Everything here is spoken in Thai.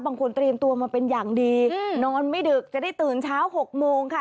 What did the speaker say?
เตรียมตัวมาเป็นอย่างดีนอนไม่ดึกจะได้ตื่นเช้า๖โมงค่ะ